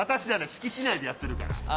敷地内でやってるから。